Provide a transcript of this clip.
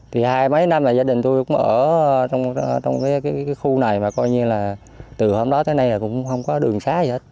thì hai mấy năm là gia đình tôi cũng ở trong cái khu này mà coi như là từ hôm đó tới nay là cũng không có đường xá gì hết